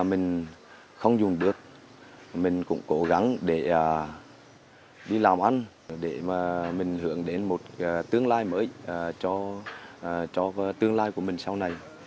mình không dùng bước mình cũng cố gắng để đi làm ăn để mình hưởng đến một tương lai mới cho tương lai của mình sau này